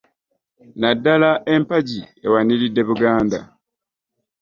Naddala empagi ewaniridde Buganda